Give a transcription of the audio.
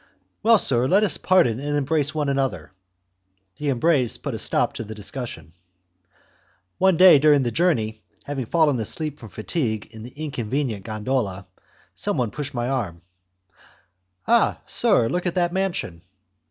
"Well, sir, let us pardon and embrace one another!" The embrace put a stop to the discussion. One day during the journey, having fallen asleep from fatigue in the inconvenient gondola, someone pushed my arm. "Ah, sir! look at that mansion!"